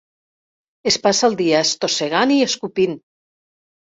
Es passa el dia estossegant i escopint.